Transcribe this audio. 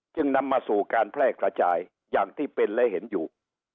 จึงนำมาสู่การแพร่กระจายอย่างที่เป็นและเห็นอยู่